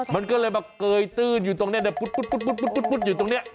มันก็เลยมาเกยตื้นอยู่ตรงนี้ปุ๊ดอยู่ตรงนี้